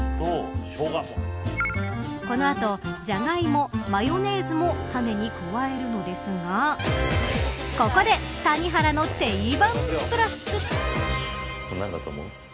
この後ジャガイモ、マヨネーズもタネに加えるのですがここで谷原のテイバンプラス。